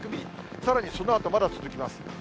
さらにそのあとまだ続きます。